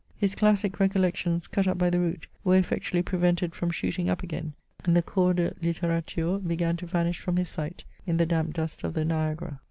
His classic recollections, cut up by the root, were effectually prevented from shooting up again, and the Cours de Littirature began to vanish from his sight in the damp dust of the Niagara.